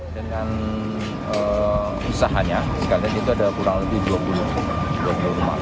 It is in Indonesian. dengan usahanya sekali lagi itu ada kurang lebih dua puluh rumah